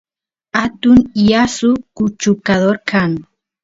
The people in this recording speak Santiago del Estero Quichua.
atun lasu kuchukador kan